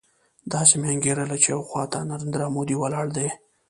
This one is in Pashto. داسې مې انګېرله چې يوې خوا ته نریندرا مودي ولاړ دی.